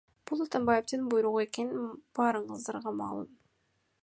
Бул Атамбаевдин буйругу экени баарыңыздарга маалым .